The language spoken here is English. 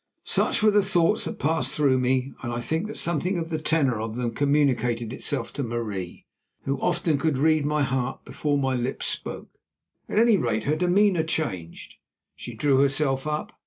Such were the thoughts which passed through me, and I think that something of the tenor of them communicated itself to Marie, who often could read my heart before my lips spoke. At any rate, her demeanour changed. She drew herself up.